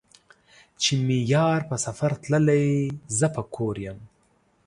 چې مې يار په سفر تللے زۀ به کور يم